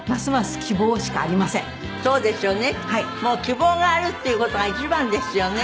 希望があるっていう事が一番ですよね。